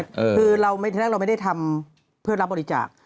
คือเราแรกเราไม่ได้ทำเพื่อรับบริจาค